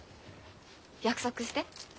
約束して。